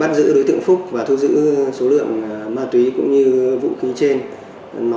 khi vĩnh phúc vừa từ kim sơn ninh bình sang